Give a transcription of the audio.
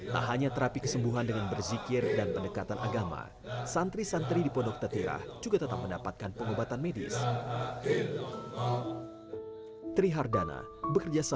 tak hanya terapi kesembuhan dengan berzikir dan pendekatan agama santri santri di pondok tetirah juga tetap mendapatkan pengobatan medis